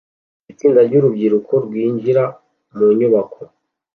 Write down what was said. Itsinda ryurubyiruko rwinjira mu nyubako